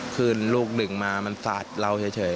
คือลูกหนึ่งมามันสาดเราเฉย